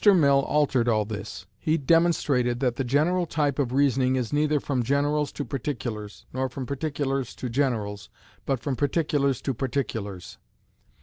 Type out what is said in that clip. Mill altered all this. He demonstrated that the general type of reasoning is neither from generals to particulars, nor from particulars to generals, but from particulars to particulars.